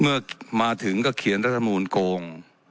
เมื่อมาถึงก็เขียนรัฐมูลโกง